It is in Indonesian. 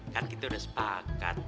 kan kita udah sepakat